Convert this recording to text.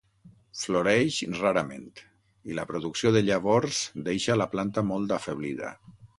Floreix rarament, i la producció de llavors deixa la planta molt afeblida.